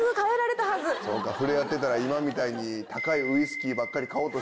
そうか触れ合ってたら今みたいに。